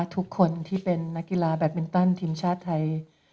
ทุกคนที่เป็นนักกีฬาแบตมินตันทีมชาติไทย